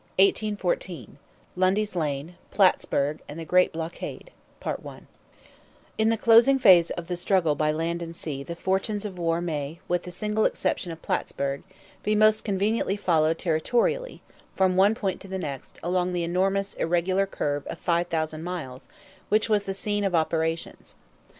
CHAPTER VI 1814: LUNDY'S LANE, PLATTSBURG, AND THE GREAT BLOCKADE In the closing phase of the struggle by land and sea the fortunes of war may, with the single exception of Plattsburg, be most conveniently followed territorially, from one point to the next, along the enormous irregular curve of five thousand miles which was the scene of operations.